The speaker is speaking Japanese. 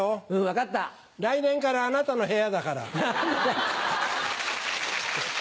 来年からあなたの部屋だから。